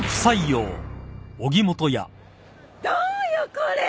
どうよこれ！